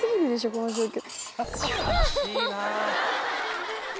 この状況。